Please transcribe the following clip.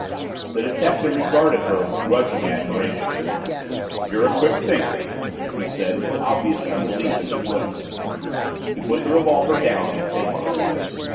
The detective regarded her with grudging admiration. "You're a quick thinker," he said with obvious unbelief in his voice. He put the revolver down on the table.